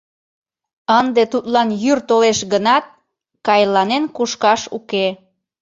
Ынде тудлан йӱр толеш гынат, кайланен кушкаш уке.